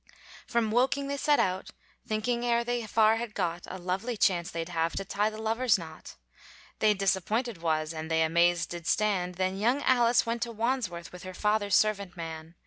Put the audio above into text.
From Woking they set out, Thinking e'er they far had got, A lovely chance they'd have To tie the lovers' knot. They disappointed was, And they amazed did stand, Then young Alice went to Wandsworth With her father's servant man.